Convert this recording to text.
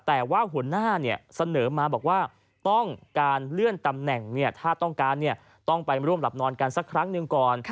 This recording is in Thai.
แต่ว่าหัวหน้าเสนอมาบอกว่าต้องการเลื่อนตำแหน่งถ้าต้องการต้องไปร่วมหลับนอนกันสักครั้งหนึ่งก่อน